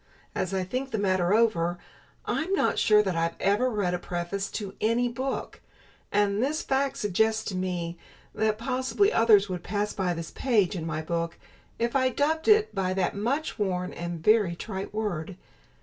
As I think the matter over, I'm not sure that I ever read a preface to any book; and this fact suggests to me that possibly others would pass by this page in my book if I dubbed it by that much worn and very trite word.